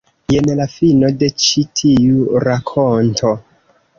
Jen la fino de ĉi tiu rakonto.